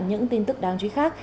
những tin tức đáng chú ý khác